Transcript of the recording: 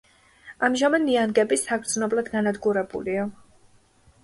ამჟამად ნიანგები საგრძნობლად განადგურებულია.